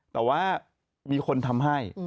แต่ว่ามีคนทำให้